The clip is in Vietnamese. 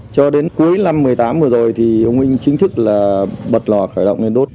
cho đến cuối năm hai nghìn một mươi tám vừa rồi thì ông huynh chính thức là bật lò khởi động lên đốt